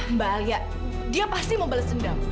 mbak alia dia pasti mau bales sendam